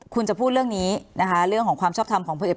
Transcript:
คุณจะพูดเรื่องนี้นะคะเรื่องของความชอบทำของพลเอก